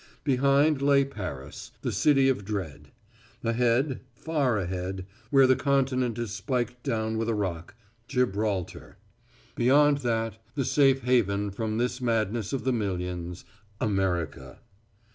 Behind lay Paris, the city of dread. Ahead far ahead, where the continent is spiked down with a rock, Gibraltar. Beyond that the safe haven from this madness of the millions America.